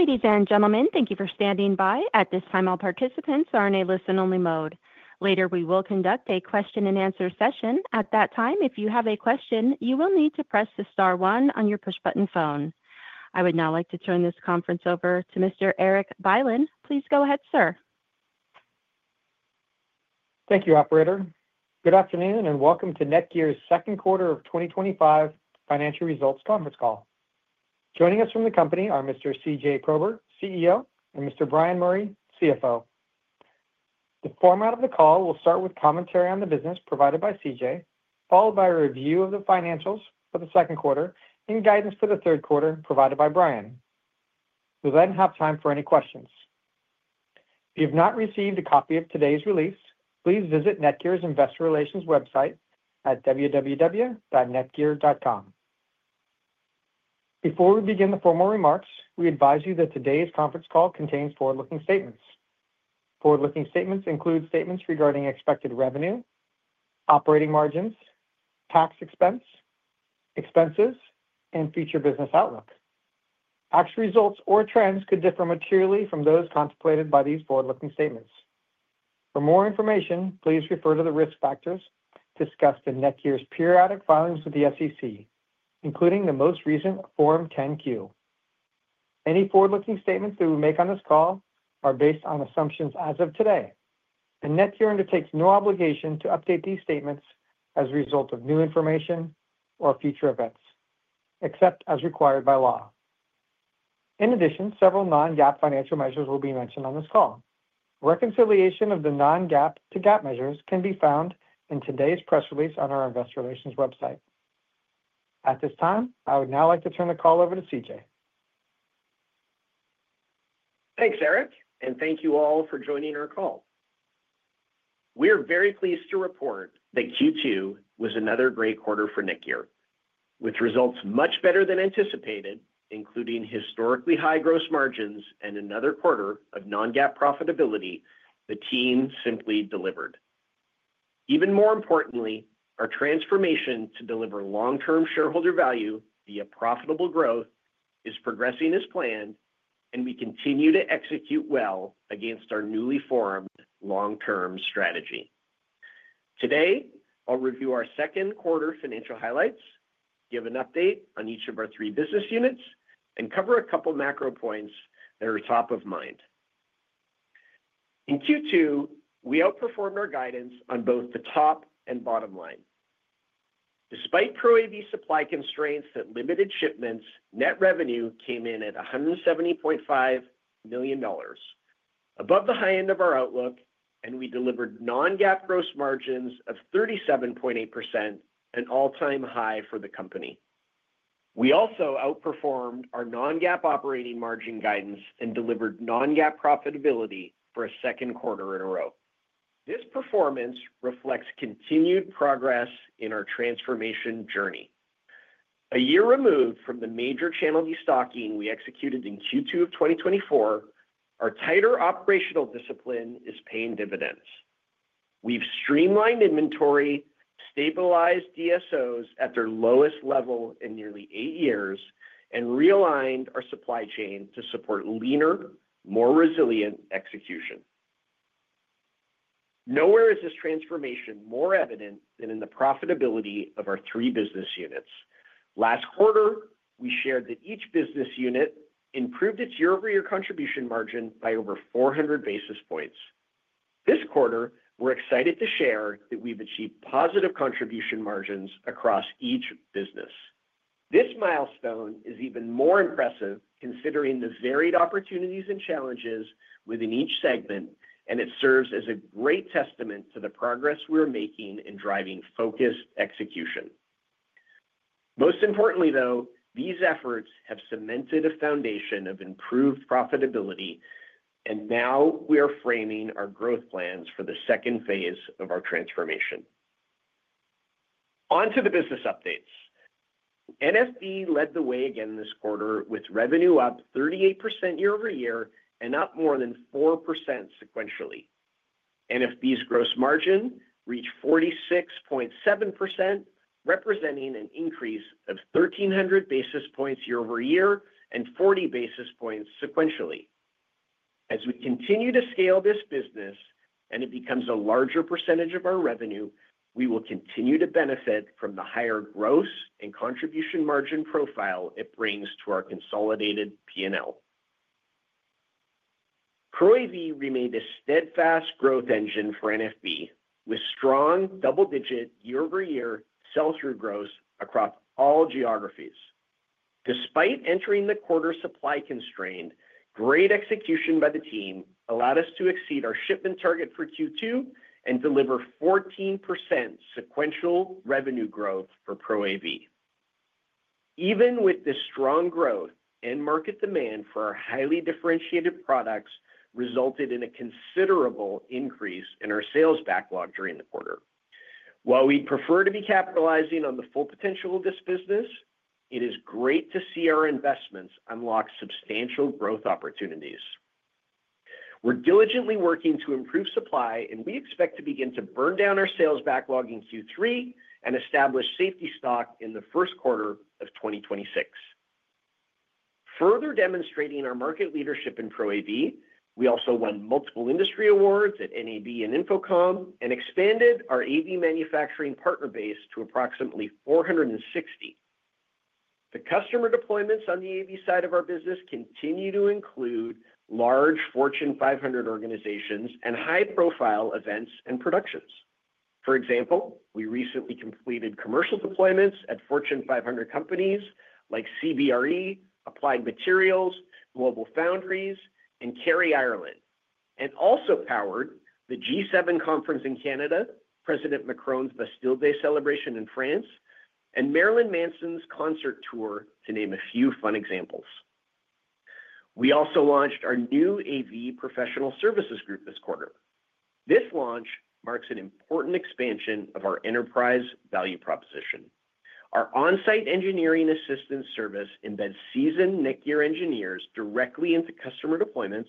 Ladies and gentlemen, thank you for standing by. At this time, all participants are in a listen-only mode. Later, we will conduct a question-and-answer session. At that time, if you have a question, you will need to press the star one on your push button phone. I would now like to turn this conference over to Mr. Erik Bylin. Please go ahead, sir. Thank you, Operator. Good afternoon and welcome to NETGEAR's second quarter of 2025 financial results conference call. Joining us from the company are Mr. C.J. Prober, CEO, and Mr. Bryan Murray, CFO. The format of the call will start with commentary on the business provided by C.J., followed by a review of the financials for the second quarter and guidance for the third quarter provided by Bryan. We'll then have time for any questions. If you have not received a copy of today's release, please visit NETGEAR's investor relations website at www.netgear.com. Before we begin the formal remarks, we advise you that today's conference call contains forward-looking statements. Forward-looking statements include statements regarding expected revenue, operating margins, tax expense, expenses, and future business outlook. Actual results or trends could differ materially from those contemplated by these forward-looking statements. For more information, please refer to the risk factors discussed in NETGEAR's periodic filings with the SEC, including the most recent Form 10-Q. Any forward-looking statements that we make on this call are based on assumptions as of today, and NETGEAR undertakes no obligation to update these statements as a result of new information or future events, except as required by law. In addition, several non-GAAP financial measures will be mentioned on this call. Reconciliation of the non-GAAP to GAAP measures can be found in today's press release on our investor relations website. At this time, I would now like to turn the call over to C.J. Thanks, Erik, and thank you all for joining our call. We are very pleased to report that Q2 was another great quarter for NETGEAR, with results much better than anticipated, including historically high gross margins and another quarter of non-GAAP profitability. The team simply delivered. Even more importantly, our transformation to deliver long-term shareholder value via profitable growth is progressing as planned, and we continue to execute well against our newly formed long-term strategy. Today, I'll review our second quarter financial highlights, give an update on each of our three business units, and cover a couple of macro points that are top of mind. In Q2, we outperformed our guidance on both the top and bottom line. Despite ProAV supply constraints that limited shipments, net revenue came in at $170.5 million, above the high end of our outlook, and we delivered non-GAAP gross margins of 37.8%, an all-time high for the company. We also outperformed our non-GAAP operating margin guidance and delivered non-GAAP profitability for a second quarter in a row. This performance reflects continued progress in our transformation journey. A year removed from the major channel destocking we executed in Q2 of 2024, our tighter operational discipline is paying dividends. We've streamlined inventory, stabilized DSOs at their lowest level in nearly eight years, and realigned our supply chain to support leaner, more resilient execution. Nowhere is this transformation more evident than in the profitability of our three business units. Last quarter, we shared that each business unit improved its year-over-year contribution margin by over 400 basis points. This quarter, we're excited to share that we've achieved positive contribution margins across each business. This milestone is even more impressive considering the varied opportunities and challenges within each segment, and it serves as a great testament to the progress we're making in driving focused execution. Most importantly, though, these efforts have cemented a foundation of improved profitability, and now we are framing our growth plans for the second phase of our transformation. On to the business updates. NFP led the way again this quarter with revenue up 38% year over year and up more than 4% sequentially. NFP's gross margin reached 46.7%, representing an increase of 1,300 basis points year over year and 40 basis points sequentially. As we continue to scale this business and it becomes a larger percentage of our revenue, we will continue to benefit from the higher gross and contribution margin profile it brings to our consolidated P&L. ProAV remained a steadfast growth engine for NFB with strong double-digit year over year sales through growth across all geographies. Despite entering the quarter supply constrained, great execution by the team allowed us to exceed our shipment target for Q2 and deliver 14% sequential revenue growth for ProAV. Even with this strong growth, end market demand for our highly differentiated products resulted in a considerable increase in our sales backlog during the quarter. While we'd prefer to be capitalizing on the full potential of this business, it is great to see our investments unlock substantial growth opportunities. We're diligently working to improve supply, and we expect to begin to burn down our sales backlog in Q3 and establish safety stock in the first quarter of 2026. Further demonstrating our market leadership in ProAV, we also won multiple industry awards at NAB and Infocom and expanded our AV manufacturing partner base to approximately 460. The customer deployments on the AV side of our business continue to include large Fortune 500 organizations and high-profile events and productions. For example, we recently completed commercial deployments at Fortune 500 companies like CBRE, Applied Materials, GlobalFoundries, and Kerry Ireland, and also powered the G7 conference in Canada, President Macron's Bastille Day celebration in France, and Marilyn Manson's concert tour, to name a few fun examples. We also launched our new AV professional services group this quarter. This launch marks an important expansion of our enterprise value proposition. Our onsite engineering assistance service embeds seasoned NETGEAR engineers directly into customer deployments,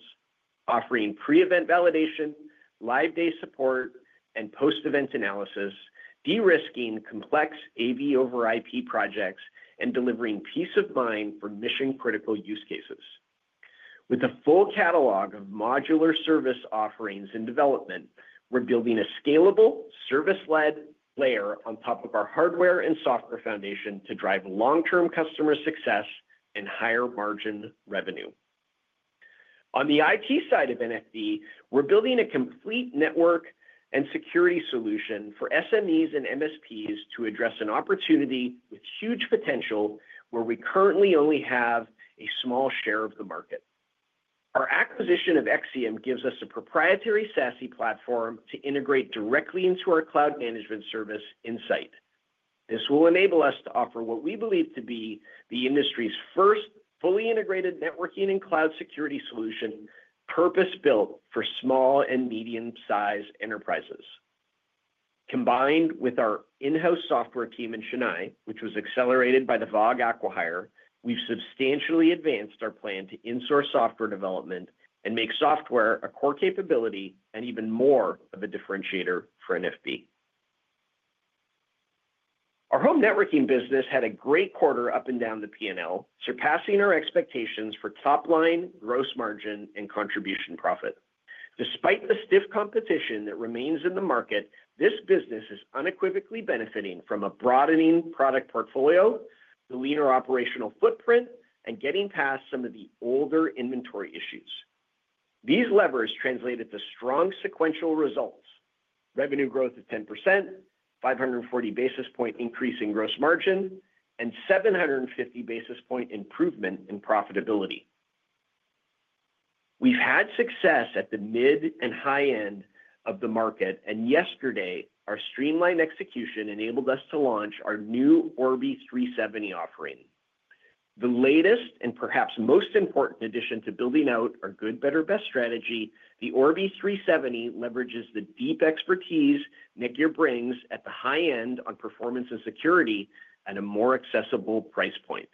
offering pre-event validation, live day support, and post-event analysis, de-risking complex AV over IP projects, and delivering peace of mind for mission-critical use cases. With a full catalog of modular service offerings in development, we're building a scalable service-led layer on top of our hardware and software foundation to drive long-term customer success and higher margin revenue. On the IT side of NFB, we're building a complete network and security solution for SMEs and MSPs to address an opportunity with huge potential where we currently only have a small share of the market. Our acquisition of Exium gives us a proprietary SASE platform to integrate directly into our cloud management service Insight. This will enable us to offer what we believe to be the industry's first fully integrated networking and cloud security solution purpose-built for small and medium-sized enterprises. Combined with our in-house software team in Chennai, which was accelerated by the Exium acquisition, we've substantially advanced our plan to insource software development and make software a core capability and even more of a differentiator for NFB. Our home networking business had a great quarter up and down the P&L, surpassing our expectations for top line gross margin and contribution profit. Despite the stiff competition that remains in the market, this business is unequivocally benefiting from a broadening product portfolio, the leaner operational footprint, and getting past some of the older inventory issues. These levers translated to strong sequential results: revenue growth of 10%, 540 basis point increase in gross margin, and 750 basis point improvement in profitability. We've had success at the mid and high end of the market, and yesterday, our streamlined execution enabled us to launch our new Orbi 370 Wi-Fi 7 mesh system offering. The latest and perhaps most important addition to building out our good, better, best strategy, the Orbi 370 leverages the deep expertise NETGEAR brings at the high end on performance and security at a more accessible price point.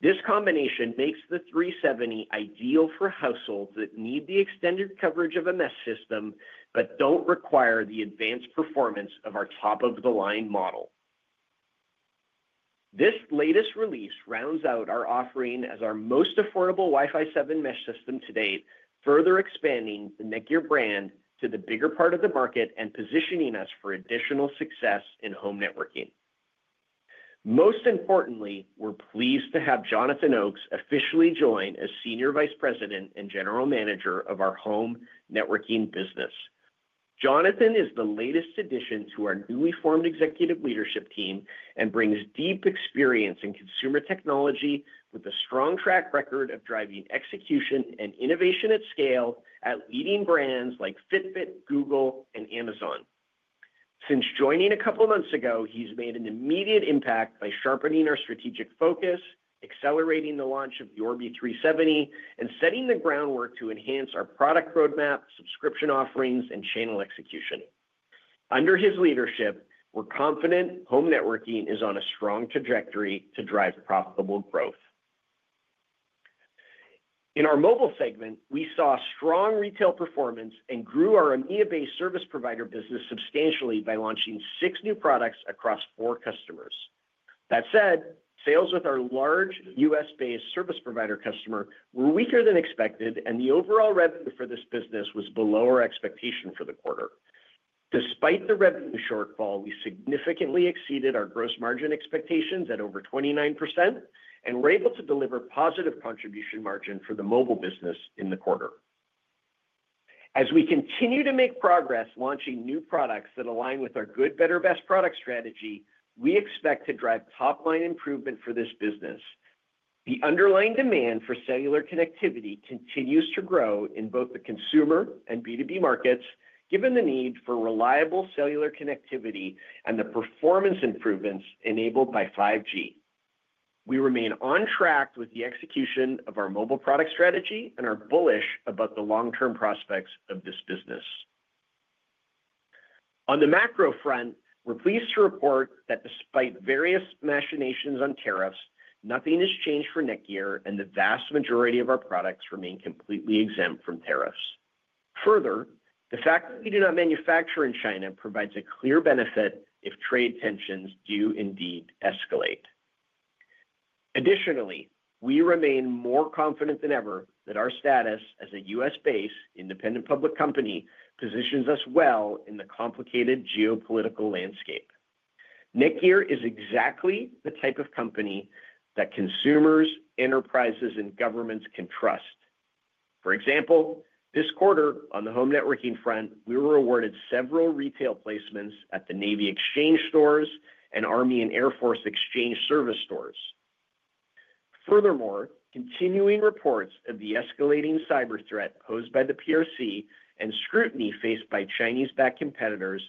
This combination makes the 370 ideal for households that need the extended coverage of a mesh system but don't require the advanced performance of our top-of-the-line model. This latest release rounds out our offering as our most affordable Wi-Fi 7 mesh system to date, further expanding the NETGEAR brand to the bigger part of the market and positioning us for additional success in home networking. Most importantly, we're pleased to have Jonathan Oaks officially join as Senior Vice President and General Manager of our home networking business. Jonathan is the latest addition to our newly formed executive leadership team and brings deep experience in consumer technology with a strong track record of driving execution and innovation at scale at leading brands like Fitbit, Google, and Amazon. Since joining a couple of months ago, he's made an immediate impact by sharpening our strategic focus, accelerating the launch of the Orbi 370, and setting the groundwork to enhance our product roadmap, subscription offerings, and channel execution. Under his leadership, we're confident home networking is on a strong trajectory to drive profitable growth. In our mobile segment, we saw strong retail performance and grew our EMEA-based service provider business substantially by launching six new products across four customers. That said, sales with our large U.S.-based service provider customer were weaker than expected, and the overall revenue for this business was below our expectation for the quarter. Despite the revenue shortfall, we significantly exceeded our gross margin expectations at over 29% and were able to deliver positive contribution margin for the mobile business in the quarter. As we continue to make progress launching new products that align with our good, better, best product strategy, we expect to drive top-line improvement for this business. The underlying demand for cellular connectivity continues to grow in both the consumer and B2B markets, given the need for reliable cellular connectivity and the performance improvements enabled by 5G. We remain on track with the execution of our mobile product strategy and are bullish about the long-term prospects of this business. On the macro front, we're pleased to report that despite various machinations on tariffs, nothing has changed for NETGEAR, and the vast majority of our products remain completely exempt from tariffs. Further, the fact that we do not manufacture in China provides a clear benefit if trade tensions do indeed escalate. Additionally, we remain more confident than ever that our status as a U.S.-based independent public company positions us well in the complicated geopolitical landscape. NETGEAR is exactly the type of company that consumers, enterprises, and governments can trust. For example, this quarter on the home networking front, we were awarded several retail placements at the Navy Exchange Stores and Army and Air Force Exchange Service Stores. Furthermore, continuing reports of the escalating cyber threat posed by the PRC and scrutiny faced by Chinese-backed competitors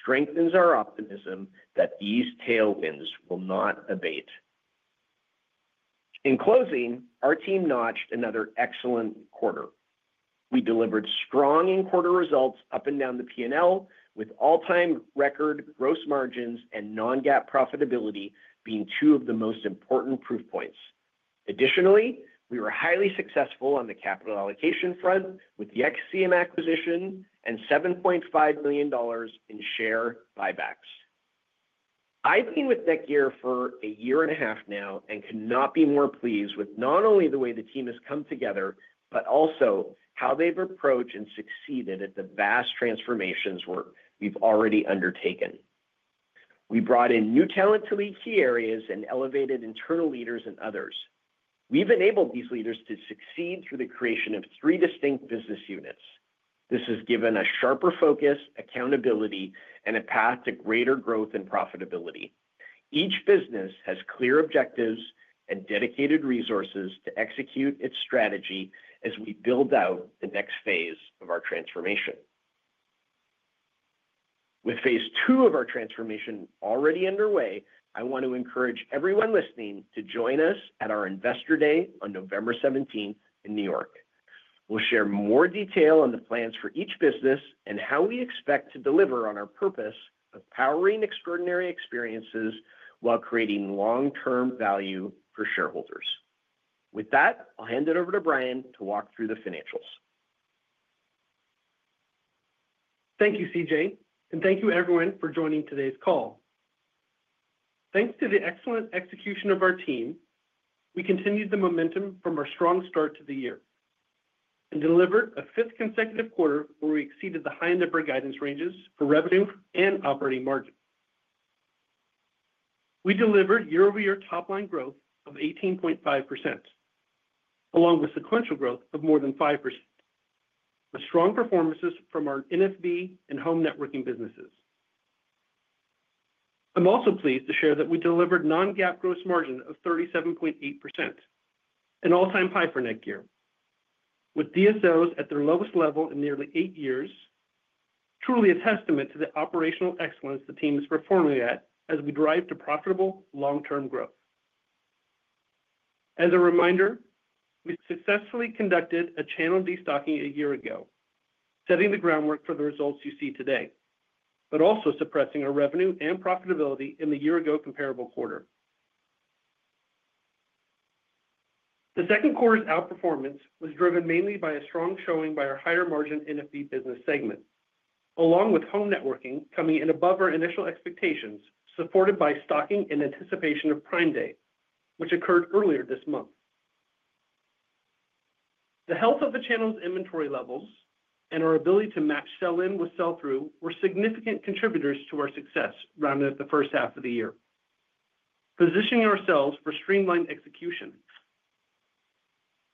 strengthens our optimism that these tailwinds will not abate. In closing, our team notched another excellent quarter. We delivered strong in-quarter results up and down the P&L, with all-time record gross margins and non-GAAP profitability being two of the most important proof points. Additionally, we were highly successful on the capital allocation front with the Exium acquisition and $7.5 million in share buybacks. I've been with NETGEAR for a year and a half now and cannot be more pleased with not only the way the team has come together but also how they've approached and succeeded at the vast transformations we've already undertaken. We brought in new talent to lead key areas and elevated internal leaders and others. We've enabled these leaders to succeed through the creation of three distinct business units. This has given us sharper focus, accountability, and a path to greater growth and profitability. Each business has clear objectives and dedicated resources to execute its strategy as we build out the next phase of our transformation. With phase two of our transformation already underway, I want to encourage everyone listening to join us at our Investor Day on November 17 in New York. We'll share more detail on the plans for each business and how we expect to deliver on our purpose of powering extraordinary experiences while creating long-term value for shareholders. With that, I'll hand it over to Bryan to walk through the financials. Thank you, C.J., and thank you, everyone, for joining today's call. Thanks to the excellent execution of our team, we continued the momentum from our strong start to the year and delivered a fifth consecutive quarter where we exceeded the high number guidance ranges for revenue and operating margins. We delivered year-over-year top-line growth of 18.5%, along with sequential growth of more than 5%, with strong performances from our NFB and home networking businesses. I'm also pleased to share that we delivered non-GAAP gross margin of 37.8%, an all-time high for NETGEAR, with DSOs at their lowest level in nearly eight years, truly a testament to the operational excellence the team is performing at as we drive to profitable long-term growth. As a reminder, we successfully conducted a channel destocking a year ago, setting the groundwork for the results you see today, but also suppressing our revenue and profitability in the year ago comparable quarter. The second quarter's outperformance was driven mainly by a strong showing by our higher margin NFB business segment, along with home networking coming in above our initial expectations, supported by stocking in anticipation of Prime Day, which occurred earlier this month. The health of the channel's inventory levels and our ability to match sell-in with sell-through were significant contributors to our success rounded at the first half of the year, positioning ourselves for streamlined execution.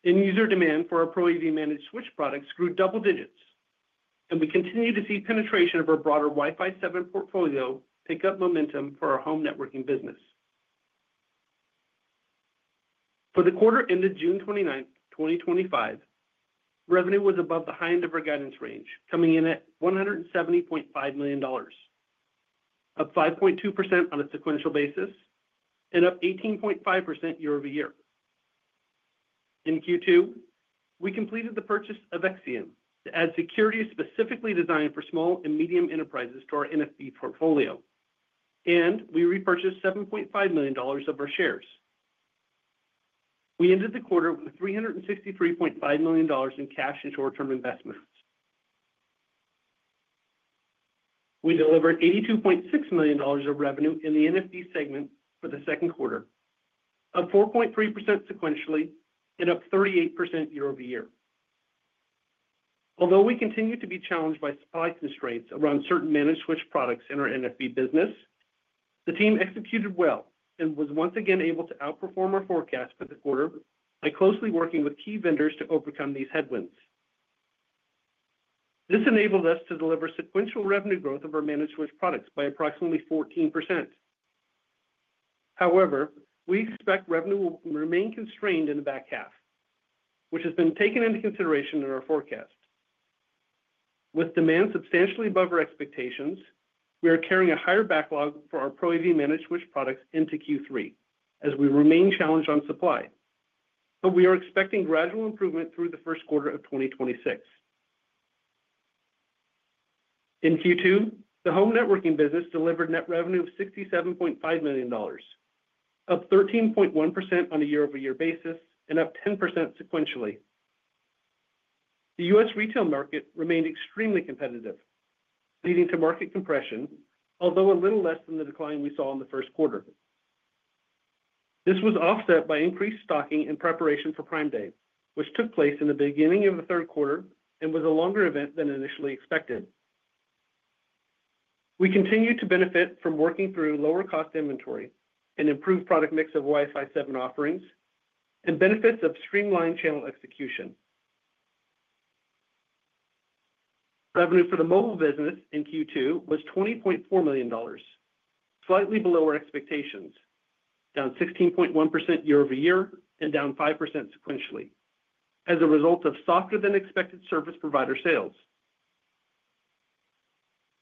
End user demand for our ProAV managed switch products grew double digits, and we continue to see penetration of our broader Wi-Fi 7 products portfolio pick up momentum for our home networking business. For the quarter ended June 29, 2025, revenue was above the high end of our guidance range, coming in at $170.5 million, up 5.2% on a sequential basis and up 18.5% year over year. In Q2, we completed the purchase of Exium to add security specifically designed for small and medium enterprises to our NFB portfolio, and we repurchased $7.5 million of our shares. We ended the quarter with $363.5 million in cash and short-term investments. We delivered $82.6 million of revenue in the NFB segment for the second quarter, up 4.3% sequentially and up 38% year over year. Although we continue to be challenged by supply constraints around certain managed switch products in our NFB business, the team executed well and was once again able to outperform our forecast for the quarter by closely working with key vendors to overcome these headwinds. This enabled us to deliver sequential revenue growth of our managed switch products by approximately 14%. However, we expect revenue will remain constrained in the back half, which has been taken into consideration in our forecast. With demand substantially above our expectations, we are carrying a higher backlog for our ProAV managed switch products into Q3 as we remain challenged on supply, but we are expecting gradual improvement through the first quarter of 2026. In Q2, the home networking business delivered net revenue of $67.5 million, up 13.1% on a year-over-year basis and up 10% sequentially. The U.S. retail market remained extremely competitive, leading to market compression, although a little less than the decline we saw in the first quarter. This was offset by increased stocking in preparation for Prime Day, which took place in the beginning of the third quarter and was a longer event than initially expected. We continue to benefit from working through lower cost inventory and improved product mix of Wi-Fi 7 products and benefits of streamlined channel execution. Revenue for the mobile segment in Q2 was $20.4 million, slightly below our expectations, down 16.1% year over year and down 5% sequentially as a result of softer than expected service provider sales.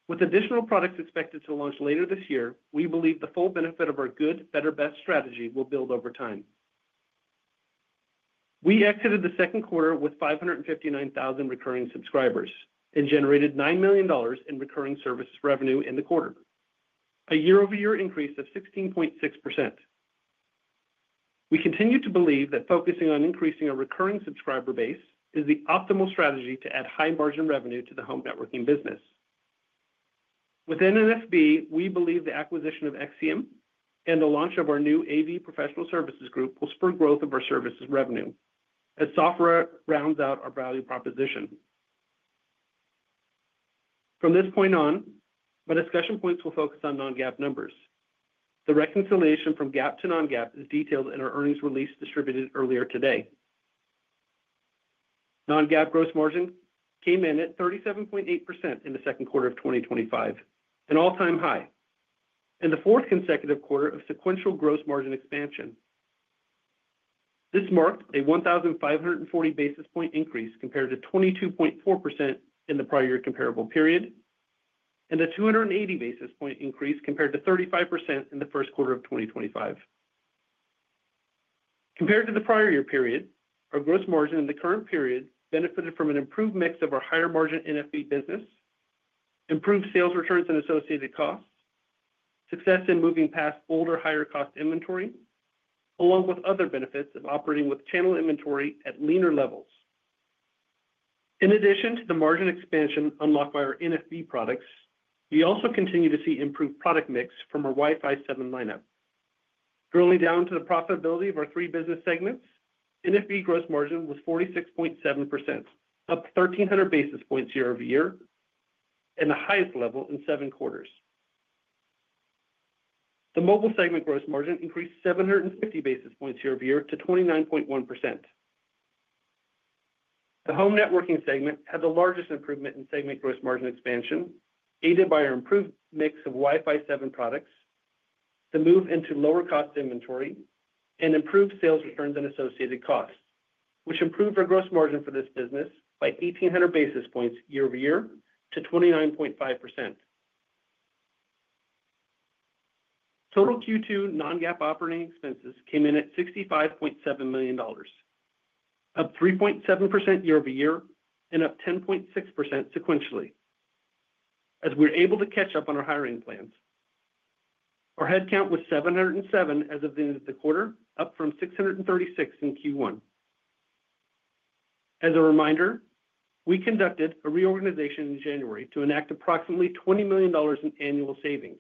With additional products expected to launch later this year, we believe the full benefit of our good, better, best strategy will build over time. We exited the second quarter with 559,000 recurring subscribers and generated $9 million in recurring service revenue in the quarter, a year-over-year increase of 16.6%. We continue to believe that focusing on increasing our recurring subscriber base is the optimal strategy to add high margin revenue to the home networking business. Within NFB, we believe the acquisition of Exium and the launch of our new AV professional services group will spur growth of our services revenue as software rounds out our value proposition. From this point on, my discussion points will focus on non-GAAP numbers. The reconciliation from GAAP to non-GAAP is detailed in our earnings release distributed earlier today. Non-GAAP gross margin came in at 37.8% in the second quarter of 2025, an all-time high, and the fourth consecutive quarter of sequential gross margin expansion. This marked a 1,540 basis point increase compared to 22.4% in the prior year comparable period and a 280 basis point increase compared to 35% in the first quarter of 2025. Compared to the prior year period, our gross margin in the current period benefited from an improved mix of our higher margin NFB business, improved sales returns and associated costs, success in moving past older higher cost inventory, along with other benefits of operating with channel inventory at leaner levels. In addition to the margin expansion unlocked by our NFB products, we also continue to see improved product mix from our Wi-Fi 7 lineup. Early down to the profitability of our three business segments, NFB gross margin was 46.7%, up 1,300 basis points year over year, and the highest level in seven quarters. The mobile segment gross margin increased 750 basis points year over year to 29.1%. The home networking segment had the largest improvement in segment gross margin expansion, aided by our improved mix of Wi-Fi 7 products, the move into lower cost inventory, and improved sales returns and associated costs, which improved our gross margin for this business by 1,800 basis points year over year to 29.5%. Total Q2 non-GAAP operating expenses came in at $65.7 million, up 3.7% year over year and up 10.6% sequentially, as we're able to catch up on our hiring plans. Our headcount was 707 as of the end of the quarter, up from 636 in Q1. As a reminder, we conducted a reorganization in January to enact approximately $20 million in annual savings,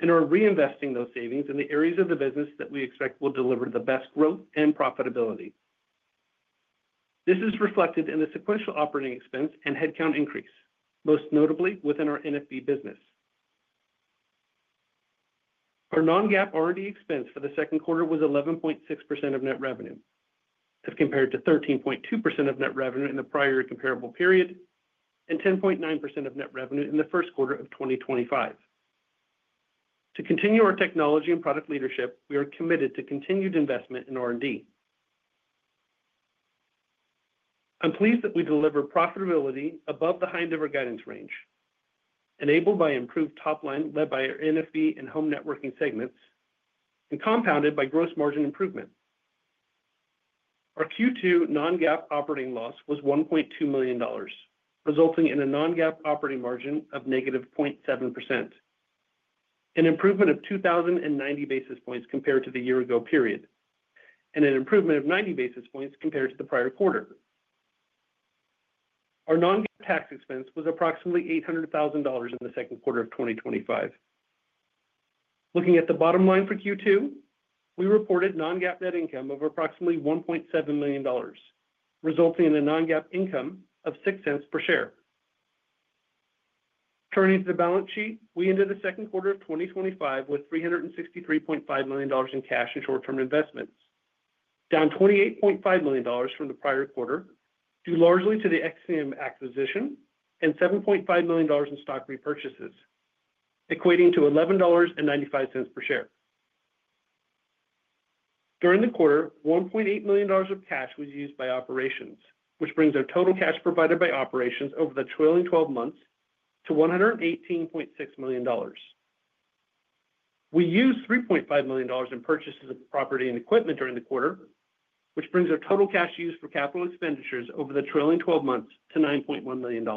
and are reinvesting those savings in the areas of the business that we expect will deliver the best growth and profitability. This is reflected in the sequential operating expense and headcount increase, most notably within our NFB business. Our non-GAAP R&D expense for the second quarter was 11.6% of net revenue, as compared to 13.2% of net revenue in the prior year comparable period and 10.9% of net revenue in the first quarter of 2025. To continue our technology and product leadership, we are committed to continued investment in R&D. I'm pleased that we deliver profitability above the high end of our guidance range, enabled by improved top line led by our NFB and home networking segments and compounded by gross margin improvement. Our Q2 non-GAAP operating loss was $1.2 million, resulting in a non-GAAP operating margin of negative 0.7%, an improvement of 2,090 basis points compared to the year-ago period, and an improvement of 90 basis points compared to the prior quarter. Our non-GAAP tax expense was approximately $800,000 in the second quarter of 2025. Looking at the bottom line for Q2, we reported non-GAAP net income of approximately $1.7 million, resulting in a non-GAAP income of $0.06 per share. Turning to the balance sheet, we ended the second quarter of 2025 with $363.5 million in cash and short-term investments, down $28.5 million from the prior quarter, due largely to the Exium acquisition and $7.5 million in stock repurchases, equating to $11.95 per share. During the quarter, $1.8 million of cash was used by operations, which brings our total cash provided by operations over the trailing 12 months to $118.6 million. We used $3.5 million in purchases of property and equipment during the quarter, which brings our total cash used for capital expenditures over the trailing 12 months to $9.1 million.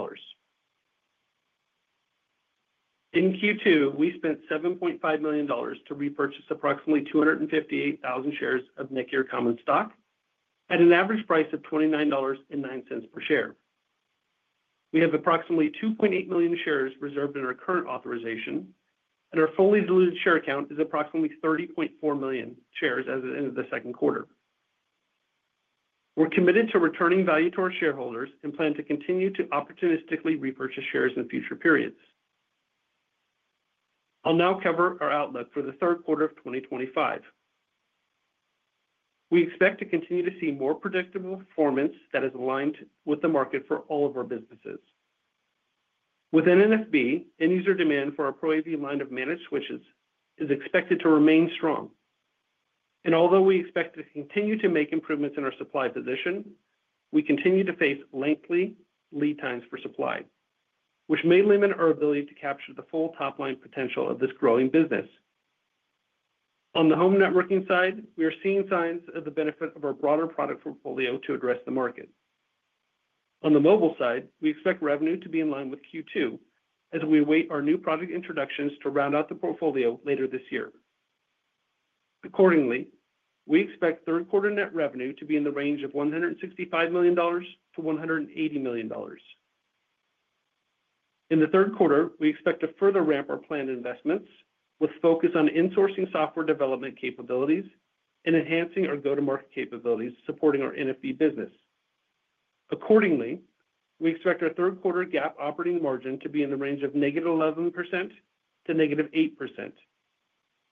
In Q2, we spent $7.5 million to repurchase approximately 258,000 shares of NETGEAR common stock at an average price of $29.09 per share. We have approximately 2.8 million shares reserved in our current authorization, and our fully diluted share count is approximately 30.4 million shares as of the end of the second quarter. We're committed to returning value to our shareholders and plan to continue to opportunistically repurchase shares in future periods. I'll now cover our outlook for the third quarter of 2025. We expect to continue to see more predictable performance that is aligned with the market for all of our businesses. Within NFB, end user demand for our ProAV line of managed switches is expected to remain strong, and although we expect to continue to make improvements in our supply position, we continue to face lengthy lead times for supply, which may limit our ability to capture the full top line potential of this growing business. On the home networking side, we are seeing signs of the benefit of our broader product portfolio to address the market. On the mobile side, we expect revenue to be in line with Q2 as we await our new product introductions to round out the portfolio later this year. Accordingly, we expect third quarter net revenue to be in the range of $165 million to $180 million. In the third quarter, we expect to further ramp our planned investments with focus on insourcing software development capabilities and enhancing our go-to-market capabilities supporting our NFB business. Accordingly, we expect our third quarter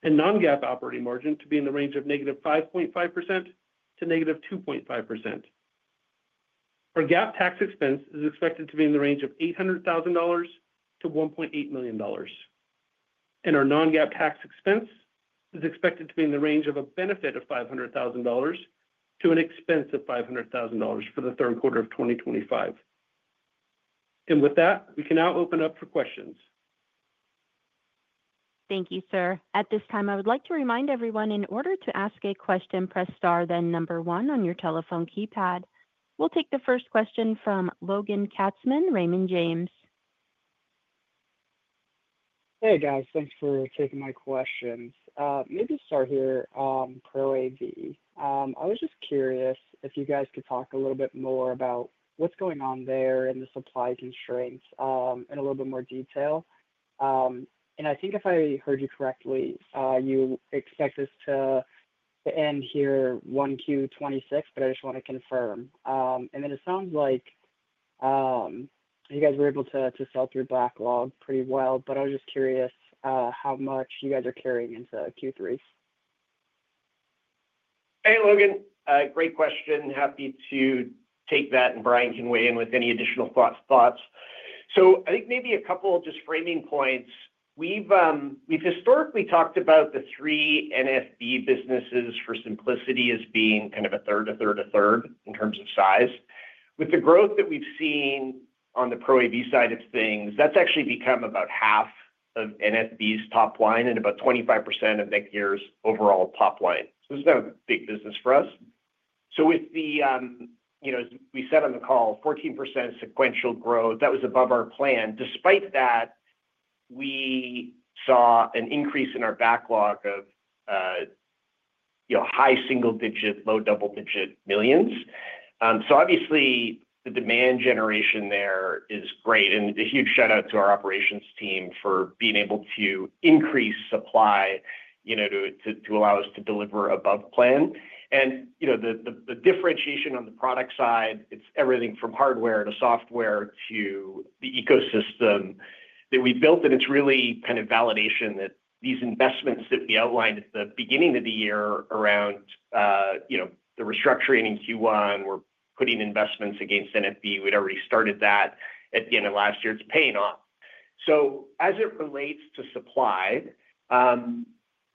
GAAP operating margin to be in the range of negative 11% to negative 8% and non-GAAP operating margin to be in the range of negative 5.5% to negative 2.5%. Our GAAP tax expense is expected to be in the range of $800,000-$1.8 million, and our non-GAAP tax expense is expected to be in the range of a benefit of $500,000 to an expense of $500,000 for the third quarter of 2025. With that, we can now open up for questions. Thank you, sir. At this time, I would like to remind everyone, in order to ask a question, press star, then number one on your telephone keypad. We'll take the first question from Logan Jacob Katzman, Raymond James. Hey, guys, thanks for taking my questions. Just to start here, ProAV. I was just curious if you guys could talk a little bit more about what's going on there in the supply constraints in a little bit more detail. I think if I heard you correctly, you expect this to end here in Q2 '26, but I just want to confirm. It sounds like you guys were able to sell through backlog pretty well, but I was just curious how much you guys are carrying into Q3. Hey, Logan, great question. Happy to take that, and Bryan can weigh in with any additional thoughts. I think maybe a couple just framing points. We've historically talked about the three NFB businesses for simplicity as being kind of a third, a third, a third in terms of size. With the growth that we've seen on the ProAV side of things, that's actually become about half of NFB's top line and about 25% of NETGEAR's overall top line. This is now a big business for us. As we said on the call, 14% sequential growth was above our plan. Despite that, we saw an increase in our backlog of high single digit, low double digit millions. Obviously, the demand generation there is great, and a huge shout out to our operations team for being able to increase supply to allow us to deliver above plan. The differentiation on the product side, it's everything from hardware to software to the ecosystem that we built, and it's really kind of validation that these investments that we outlined at the beginning of the year around the restructuring in Q1, we're putting investments against NFB. We'd already started that at the end of last year. It's paying off. As it relates to supply,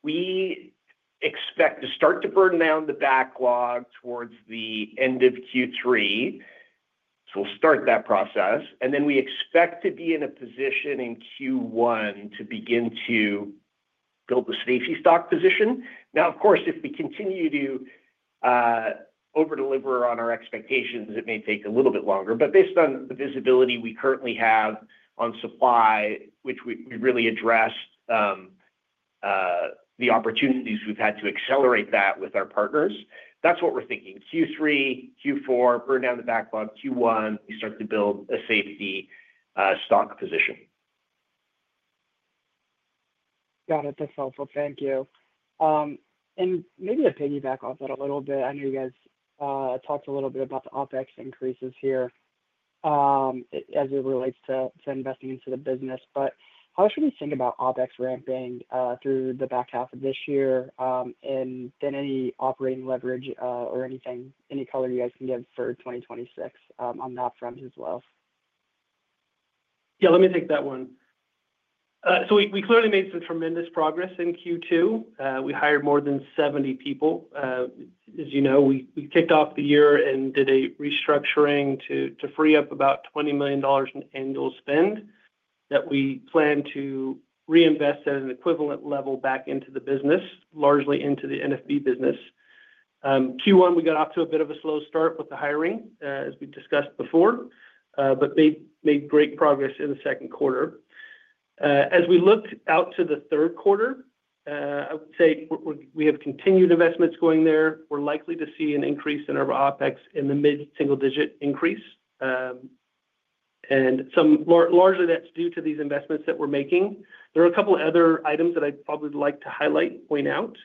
we expect to start to burn down the backlog towards the end of Q3. We'll start that process, and then we expect to be in a position in Q1 to begin to build the safety stock position. Of course, if we continue to over-deliver on our expectations, it may take a little bit longer. Based on the visibility we currently have on supply, which we really address the opportunities we've had to accelerate that with our partners, that's what we're thinking. Q3, Q4, burn down the backlog, Q1, we start to build a safety stock position. Got it. That's helpful. Thank you. Maybe to piggyback off that a little bit, I know you guys talked a little bit about the OpEx increases here as it relates to investing into the business, but how should we think about OpEx ramping through the back half of this year, and then any operating leverage or anything, any color you guys can give for 2026 on NETGEAR for Business as well? Yeah, let me take that one. We clearly made some tremendous progress in Q2. We hired more than 70 people. As you know, we kicked off the year and did a restructuring to free up about $20 million in annual spend that we plan to reinvest at an equivalent level back into the business, largely into the NFB business. Q1, we got off to a bit of a slow start with the hiring, as we discussed before, but made great progress in the second quarter. As we look out to the third quarter, I would say we have continued investments going there. We're likely to see an increase in our OpEx in the mid-single digit increase, and largely that's due to these investments that we're making. There are a couple of other items that I'd probably like to highlight and point out.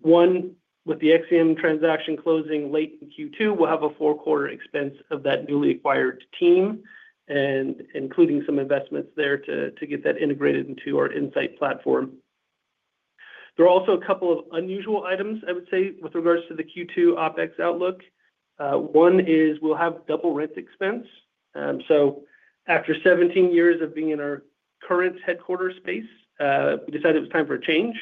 One, with the Exium acquisition closing late in Q2, we'll have a full-quarter expense of that newly acquired team and including some investments there to get that integrated into our Insight platform. There are also a couple of unusual items, I would say, with regards to the Q2 OpEx outlook. One is we'll have double rent expense. After 17 years of being in our current headquarter space, we decided it was time for a change.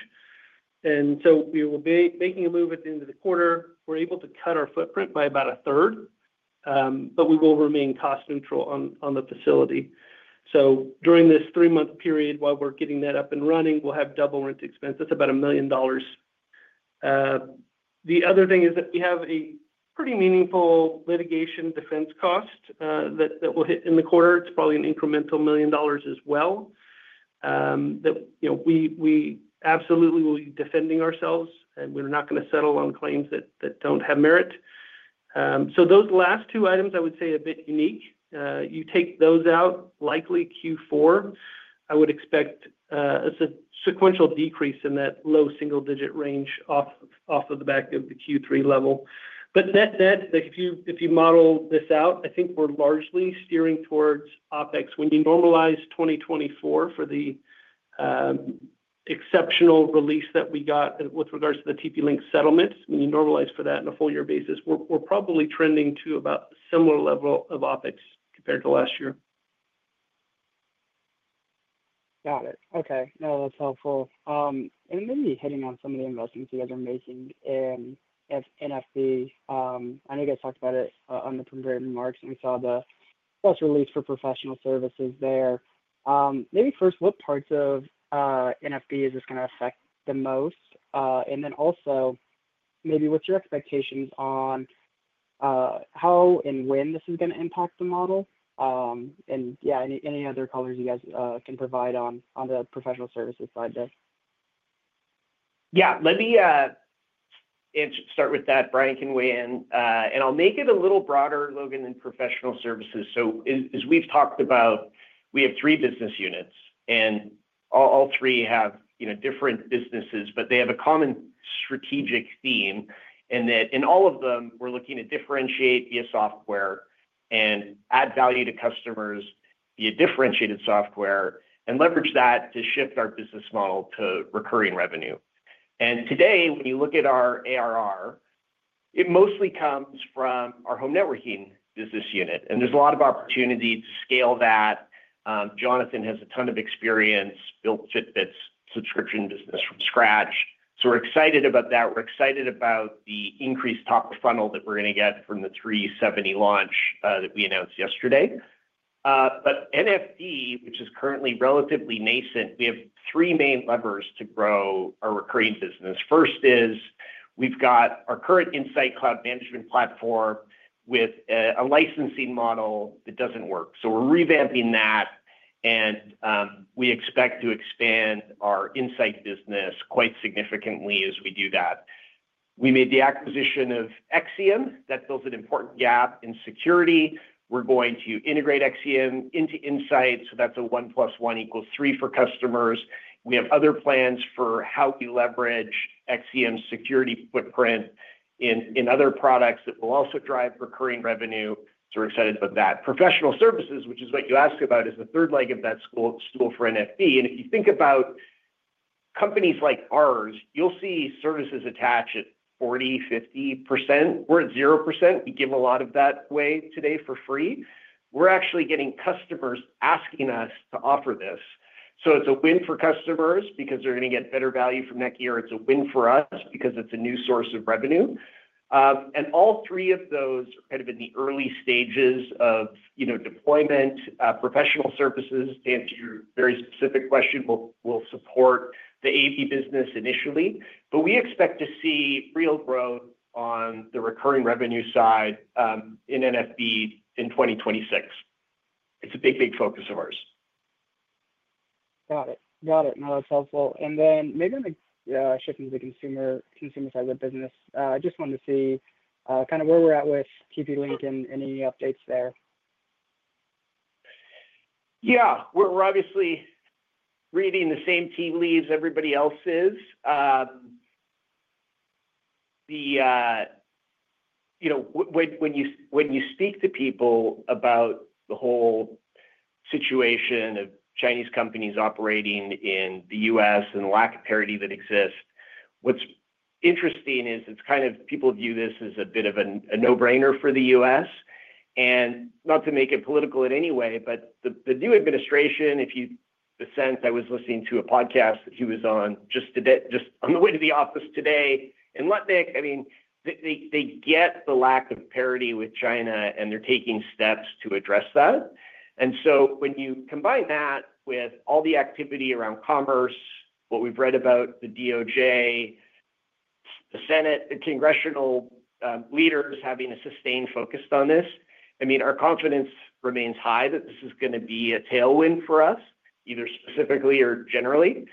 We will be making a move at the end of the quarter. We're able to cut our footprint by about a third, but we will remain cost neutral on the facility. During this three-month period, while we're getting that up and running, we'll have double rent expense. That's about $1 million. The other thing is that we have a pretty meaningful litigation defense cost that will hit in the quarter. It's probably an incremental $1 million as well. We absolutely will be defending ourselves, and we're not going to settle on claims that don't have merit. Those last two items, I would say, are a bit unique. You take those out, likely Q4. I would expect a sequential decrease in that low single digit range off of the back of the Q3 level. If you model this out, I think we're largely steering towards OpEx. When you normalize 2024 for the exceptional release that we got with regards to the TP Link settlements, when you normalize for that in a full year basis, we're probably trending to about a similar level of OpEx compared to last year. Got it. Okay. No, that's helpful. Maybe hitting on some of the investments you guys are making in NFB, I know you guys talked about it on the printed marks and we saw the press release for professional services there. Maybe first, what parts of NFB is this going to affect the most? Also, maybe what's your expectations on how and when this is going to impact the model? Yeah, any other colors you guys can provide on the professional services side there? Yeah, let me start with that. Bryan can weigh in, and I'll make it a little broader, Logan, than professional services. As we've talked about, we have three business units, and all three have different businesses, but they have a common strategic theme in that in all of them, we're looking to differentiate via software and add value to customers via differentiated software and leverage that to shift our business model to recurring revenue. Today, when you look at our ARR, it mostly comes from our home networking business unit, and there's a lot of opportunity to scale that. Jonathan has a ton of experience, built Fitbit's subscription business from scratch. We're excited about that. We're excited about the increased top of funnel that we're going to get from the Orbi 370 launch that we announced yesterday. NFB, which is currently relatively nascent, has three main levers to grow our recurring business. First is we've got our current Insight cloud management platform with a licensing model that doesn't work. We're revamping that, and we expect to expand our Insight business quite significantly as we do that. We made the acquisition of Exium. That fills an important gap in security. We're going to integrate Exium into Insight. That's a one plus one equals three for customers. We have other plans for how we leverage Exium's security footprint in other products that will also drive recurring revenue. We're excited about that. Professional services, which is what you asked about, is the third leg of that stool for NFB. If you think about companies like ours, you'll see services attached at 40%, 50%. We're at 0%. We give a lot of that away today for free. We're actually getting customers asking us to offer this. It's a win for customers because they're going to get better value from NETGEAR. It's a win for us because it's a new source of revenue. All three of those are in the early stages of deployment. Professional services, to answer your very specific question, will support the AV business initially. We expect to see real growth on the recurring revenue side in NFB in 2026. It's a big, big focus of ours. Got it. That's helpful. Maybe I'm going to shift into the consumer side of the business. I just wanted to see kind of where we're at with TP Link and any updates there. Yeah, we're obviously reading the same tea leaves everybody else is. When you speak to people about the whole situation of Chinese companies operating in the U.S. and the lack of parity that exists, what's interesting is people view this as a bit of a no-brainer for the U.S. Not to make it political in any way, but the new administration, if you sense, I was listening to a podcast that he was on just today, just on the way to the office today, and they get the lack of parity with China, and they're taking steps to address that. When you combine that with all the activity around commerce, what we've read about the DOJ, the Senate, and congressional leaders having a sustained focus on this, our confidence remains high that this is going to be a tailwind for us, either specifically or generally.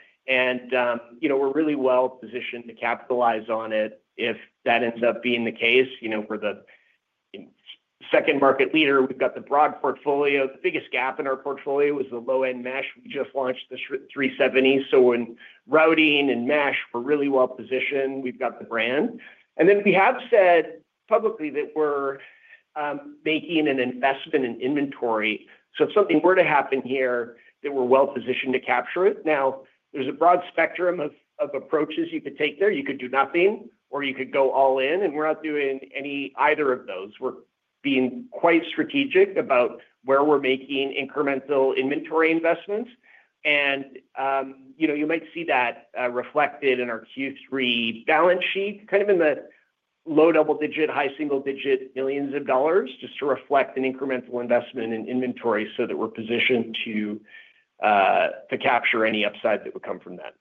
We're really well positioned to capitalize on it if that ends up being the case. We're the second market leader. We've got the broad portfolio. The biggest gap in our portfolio was the low-end mesh. We just launched the Orbi 370. In routing and mesh, we're really well positioned. We've got the brand. We have said publicly that we're making an investment in inventory. If something were to happen here, we're well positioned to capture it. There's a broad spectrum of approaches you could take there. You could do nothing, or you could go all in, and we're not doing either of those. We're being quite strategic about where we're making incremental inventory investments. You might see that reflected in our Q3 balance sheet, kind of in the low double digit, high single digit millions of dollars, just to reflect an incremental investment in inventory so that we're positioned to capture any upside that would come from that.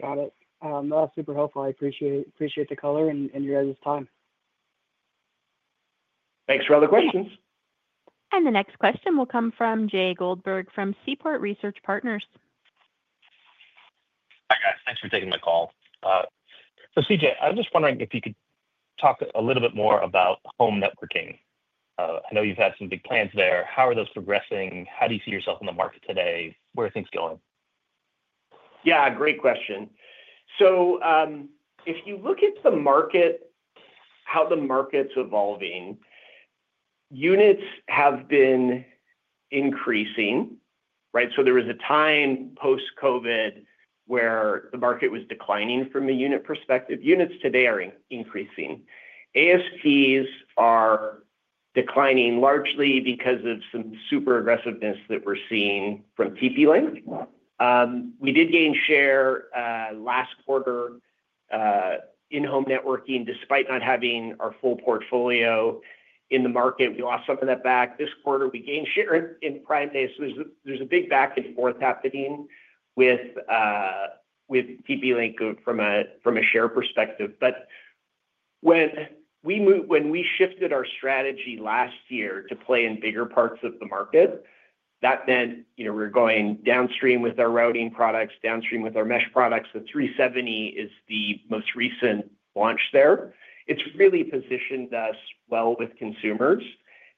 Got it. No, that's super helpful. I appreciate the color and your guys' time. Thanks for all the questions. The next question will come from Jay Goldberg from Seaport Research Partners. Hi, guys. Thanks for taking my call. CJ, I was just wondering if you could talk a little bit more about home networking. I know you've had some big plans there. How are those progressing? How do you see yourself in the market today? Where are things going? Yeah, great question. If you look at the market, how the market's evolving, units have been increasing, right? There was a time post-COVID where the market was declining from a unit perspective. Units today are increasing. ASPs are declining largely because of some super aggressiveness that we're seeing from TP Link. We did gain share last quarter in home networking despite not having our full portfolio in the market. We lost some of that back. This quarter, we gained share in Prime Day. There's a big back and forth happening with TP Link from a share perspective. When we shifted our strategy last year to play in bigger parts of the market, that meant we're going downstream with our routing products, downstream with our mesh products. The Orbi 370 is the most recent launch there. It's really positioned us well with consumers.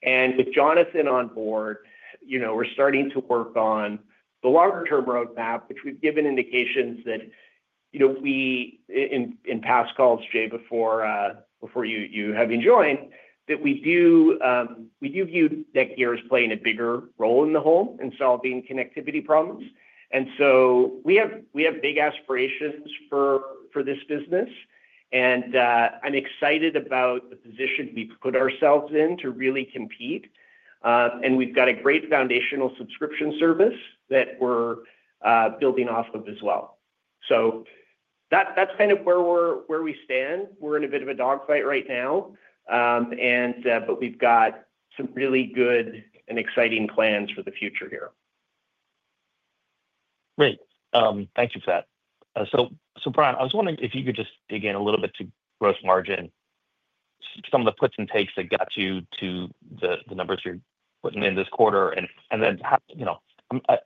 With Jonathan on board, we're starting to work on the longer-term roadmap, which we've given indications that we in past calls, Jay, before you have joined, that we do view NETGEAR as playing a bigger role in the home and solving connectivity problems. We have big aspirations for this business, and I'm excited about the position we've put ourselves in to really compete. We've got a great foundational subscription service that we're building off of as well. That's kind of where we stand. We're in a bit of a dogfight right now, but we've got some really good and exciting plans for the future here. Great. Thank you for that. Bryan, I was wondering if you could just dig in a little bit to gross margin, some of the puts and takes that got you to the numbers you're putting in this quarter. I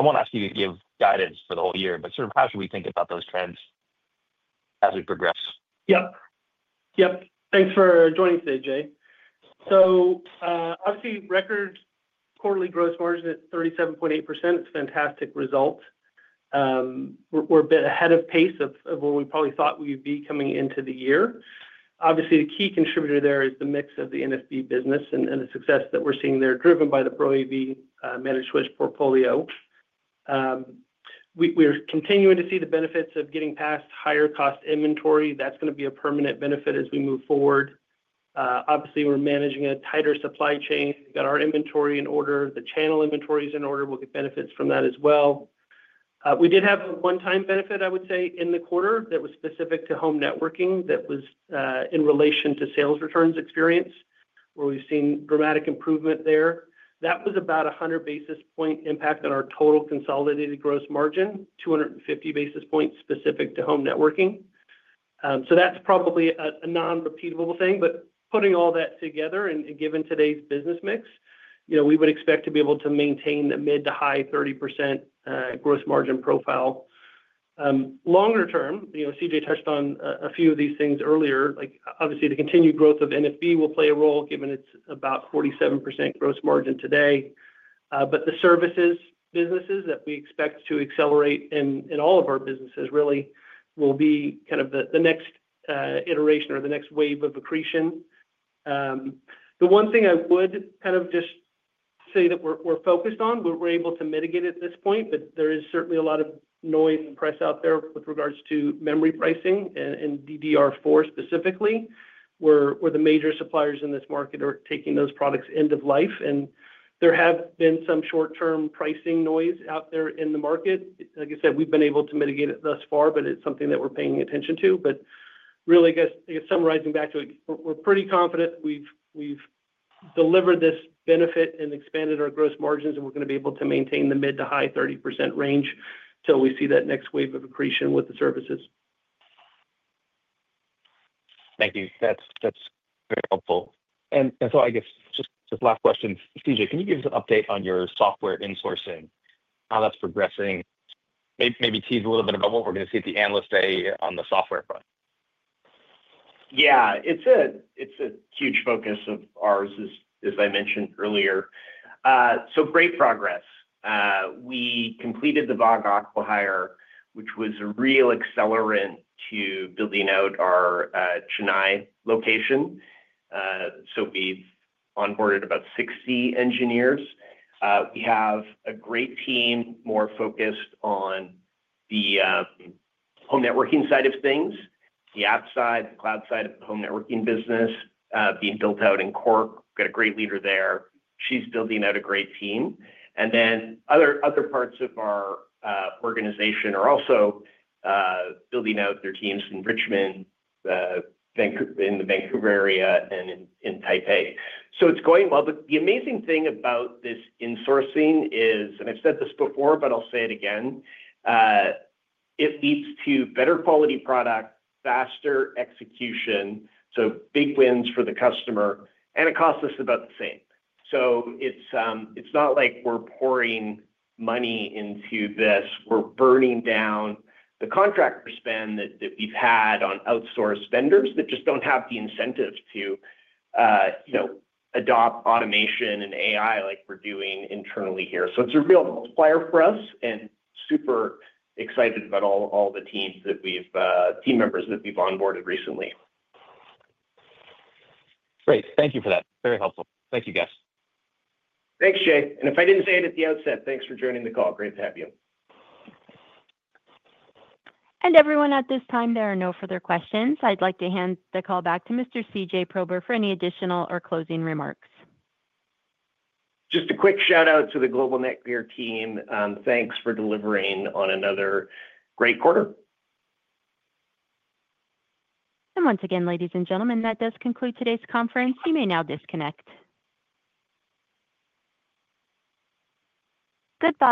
won't ask you to give guidance for the whole year, but sort of how should we think about those trends as we progress? Yep. Yep. Thanks for joining today, Jay. Obviously, record quarterly gross margin at 37.8%. It's a fantastic result. We're a bit ahead of pace of what we probably thought we'd be coming into the year. Obviously, the key contributor there is the mix of the NFB business and the success that we're seeing there, driven by the ProAV managed switch portfolio. We're continuing to see the benefits of getting past higher cost inventory. That's going to be a permanent benefit as we move forward. Obviously, we're managing a tighter supply chain. We've got our inventory in order. The channel inventory is in order. We'll get benefits from that as well. We did have a one-time benefit, I would say, in the quarter that was specific to home networking that was in relation to sales returns experience, where we've seen dramatic improvement there. That was about a 100 basis point impact on our total consolidated gross margin, 250 basis points specific to home networking. That's probably a non-repeatable thing. Putting all that together and given today's business mix, we would expect to be able to maintain the mid to high 30% gross margin profile. Longer term, CJ touched on a few of these things earlier. Obviously, the continued growth of NFB will play a role, given it's about 47% gross margin today. The services businesses that we expect to accelerate in all of our businesses really will be kind of the next iteration or the next wave of accretion. The one thing I would just say that we're focused on, we're able to mitigate at this point, but there is certainly a lot of noise and press out there with regards to memory pricing and DDR4 specifically, where the major suppliers in this market are taking those products end of life. There have been some short-term pricing noise out there in the market. Like I said, we've been able to mitigate it thus far, but it's something that we're paying attention to. Really, summarizing back to it, we're pretty confident we've delivered this benefit and expanded our gross margins, and we're going to be able to maintain the mid to high 30% range till we see that next wave of accretion with the services. Thank you. That's very helpful. I guess just last question, C.J., can you give us an update on your software insourcing, how that's progressing? Maybe tease a little bit about what we're going to see at the analyst day on the software front. Yeah, it's a huge focus of ours, as I mentioned earlier. Great progress. We completed the Vogg Aquihire, which was a real accelerant to building out our Chennai location. We've onboarded about 60 engineers. We have a great team more focused on the home networking side of things, the app side, the cloud side of the home networking business being built out in Cork. We've got a great leader there. She's building out a great team. Other parts of our organization are also building out their teams in Richmond, in the Vancouver area, and in Taipei. It's going well. The amazing thing about this insourcing is, and I've said this before, but I'll say it again, it leads to better quality product, faster execution, big wins for the customer, and it costs us about the same. It's not like we're pouring money into this. We're burning down the contractor spend that we've had on outsourced vendors that just don't have the incentive to adopt automation and AI like we're doing internally here. It's a real supplier for us, and super excited about all the teams that we've, team members that we've onboarded recently. Great. Thank you for that. Very helpful. Thank you, guys. Thanks, Jay. If I didn't say it at the outset, thanks for joining the call. Great to have you. At this time, there are no further questions. I'd like to hand the call back to Mr. C.J. Prober for any additional or closing remarks. Just a quick shout out to the global NETGEAR team. Thanks for delivering on another great quarter. Once again, ladies and gentlemen, that does conclude today's conference. You may now disconnect. Goodbye.